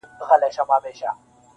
ورسره به وي د ګور په تاریکو کي-